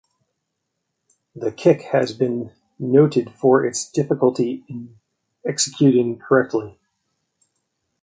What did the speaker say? The kick has been noted for its difficulty in executing correctly.